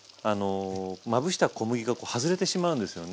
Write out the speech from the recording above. まぶした小麦が外れてしまうんですよね。